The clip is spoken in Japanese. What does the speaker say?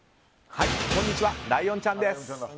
こんにちはライオンちゃんです。